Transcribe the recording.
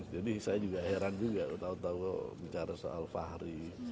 jadi saya juga heran juga tahu tahu bicara soal fahri